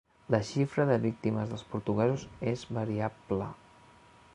La xifra de víctimes dels portuguesos és variable.